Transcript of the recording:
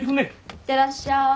いってらっしゃい。